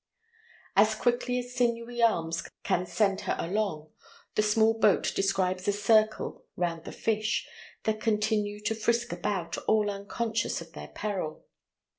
As quickly as sinewy arms can send her along, the small boat describes a circle round the fish, that continue to frisk about, all unconscious of their peril.